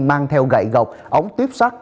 mang theo gậy gọc ống tiếp xác